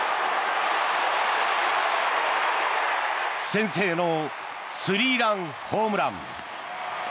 先制のスリーランホームラン。